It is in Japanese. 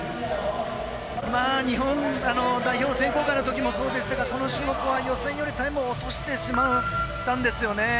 日本代表選考会のときでしたがこの種目は予選よりタイムを落としてしまったんですよね。